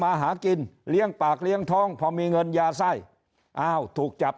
มาหากินเลี้ยงปากเลี้ยงท้องพอมีเงินยาไส้อ้าวถูกจับ